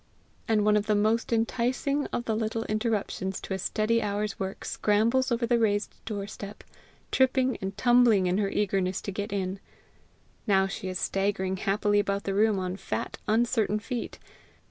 And one of the most enticing of the little interruptions to a steady hour's work scrambles over the raised doorstep, tripping and tumbling in her eagerness to get in. Now she is staggering happily about the room on fat, uncertain feet.